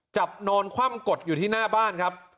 นอนคว่ำกดอยู่ที่หน้าบ้านครับ